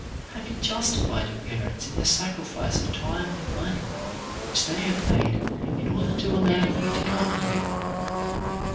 Have you justified your parents in the sacrifice of time and money which they have made in order to allow you to come here?